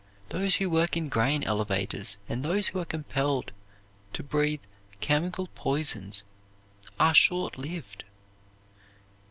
Those who work in grain elevators and those who are compelled to breathe chemical poisons are short lived.